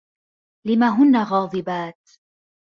لم هنّ غاضبات؟